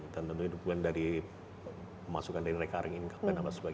tentunya dukungan dari pemasukan dari recurring income